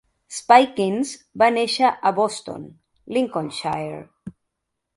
Spikings va néixer a Boston, Lincolnshire.